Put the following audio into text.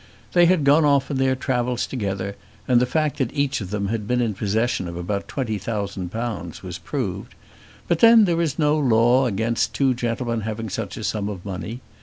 They had gone off on their travels together, and the fact that each of them had been in possession of about twenty thousand pounds was proved. But then there is no law against two gentlemen having such a sum of money.